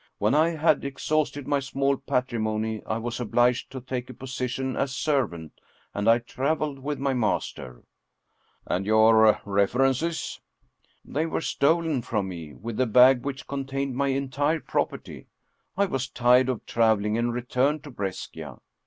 " When I had exhausted my small patrimony, I was obliged to take a position as servant, and I traveled with my master." "And your references?" " They were stolen from me, with the bag which con tained my entire property. I was tired of traveling and returned to Brescia.